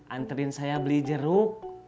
anterin saya beli jeruk